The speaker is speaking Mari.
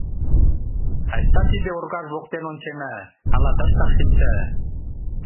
Айста тиде оргаж воктен ончена, ала тыштак шинча...